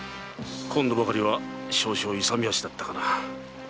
今度ばかりは少々勇み足だったかな